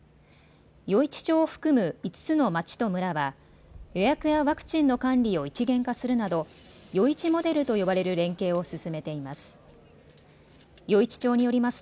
余市町を含む５つの町と村は予約やワクチンの管理を一元化するなど余市モデルと呼ばれる連携を進めています。